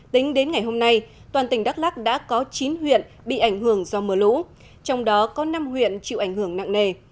tính đến ngày hôm nay toàn tỉnh đắk lắc đã có chín huyện bị ảnh hưởng do mưa lũ trong đó có năm huyện chịu ảnh hưởng nặng nề